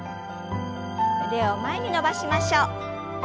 腕を前に伸ばしましょう。